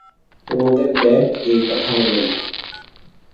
তোমাদের বেদ এই কথা বলেন।